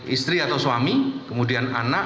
istri atau suami kemudian anak